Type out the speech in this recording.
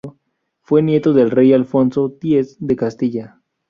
Fue nieto del rey Alfonso X de Castilla.